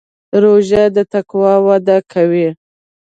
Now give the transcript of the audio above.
روژه د تقوا وده کوي.